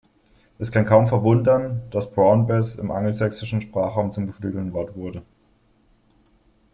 Es kann kaum verwundern, dass Brown-Bess im angelsächsischen Sprachraum zum geflügelten Wort wurde.